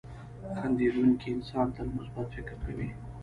• خندېدونکی انسان تل مثبت فکر کوي.